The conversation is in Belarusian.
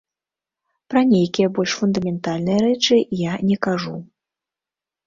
Пра нейкія больш фундаментальныя рэчы я не кажу.